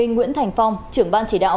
nguyễn thành phong trưởng ban chỉ đạo